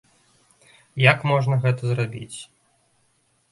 Як можна гэта зрабіць?